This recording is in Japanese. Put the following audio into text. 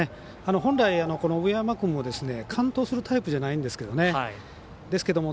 本来、上山君も完投するタイプじゃないんですよね。